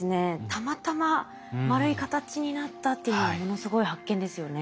たまたま丸い形になったっていうのはものすごい発見ですよね。